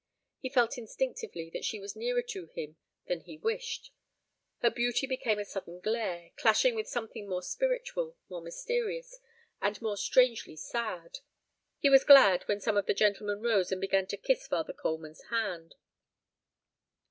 He felt instinctively that she was nearer to him than he wished. Her beauty became a sudden glare, clashing with something more spiritual, more mysterious, and more strangely sad. He was glad when some of the gentlemen rose and began to kiss Father Coleman's hand.